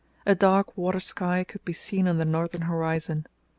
A dark water sky could be seen on the northern horizon.